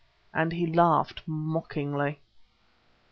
and he laughed mockingly.